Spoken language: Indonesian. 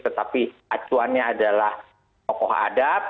tetapi acuannya adalah tokoh adat